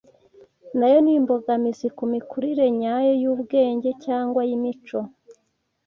nayo ni imbogamizi ku mikurire nyayo y’ubwenge cyangwa iy’imico.